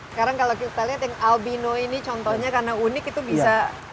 sekarang kalau kita lihat yang albino ini contohnya karena unik itu bisa